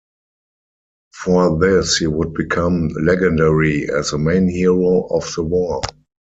For this, he would become legendary as the main hero of the war.